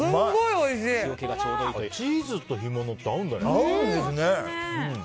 チーズと干物って合うんだね。